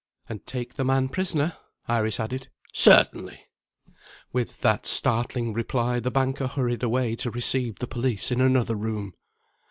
"And take the man prisoner?" Iris added. "Certainly!" With that startling reply, the banker hurried away to receive the police in another room.